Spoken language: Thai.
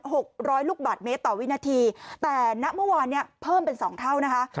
หกร้อยลูกบาทเมตรต่อวินาทีแต่ณเมื่อวานเนี้ยเพิ่มเป็นสองเท่านะคะ